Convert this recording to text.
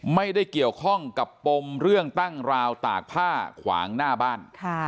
ไม่ได้เกี่ยวข้องกับปมเรื่องตั้งราวตากผ้าขวางหน้าบ้าน